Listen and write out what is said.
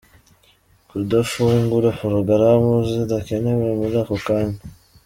Kudafungura porogaramu zidakenewe muri ako kanya.